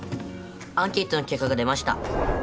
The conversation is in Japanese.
アンケートの結果が出ました。